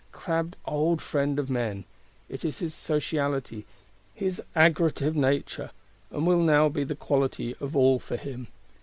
Crabbed old Friend of Men! it is his sociality, his aggregative nature; and will now be the quality of all for him.